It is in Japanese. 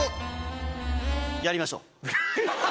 やりましょう。